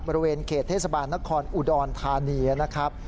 บริเวณเขตเทศบาลนครอุดรธานีนะครับ